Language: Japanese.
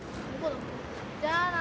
じゃあな！